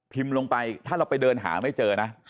ลงไปถ้าเราไปเดินหาไม่เจอนะ